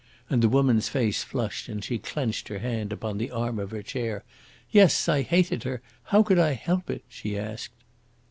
And the woman's face flushed and she clenched her hand upon the arm of her chair. "Yes, I hated her. How could I help it?" she asked.